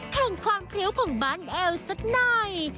แข่งความพริ้วของบ้านแอลสักหน่อย